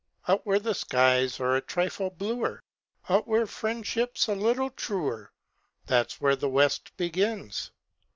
Out where the skies are a trifle bluer, Out where friendship's a little truer, That's where the West begins.